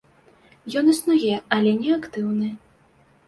Ён існуе, але не актыўны.